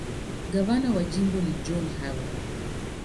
Gavana wa jimbo ni John Harvard.